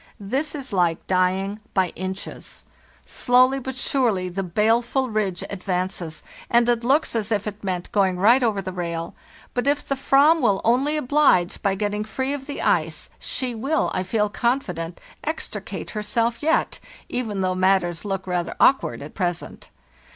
This is like dying by inches. Slowly but surely the THE NEW YEAR, 1895 53 baleful ridge advances, and it looks as if it meant going right over the rail; but if the "7am will only oblige by getting free of the ice she will, I feel confident, ex tricate herself yet, even though matters look rather awk ward at present.